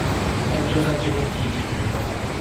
但就算這個問題解決了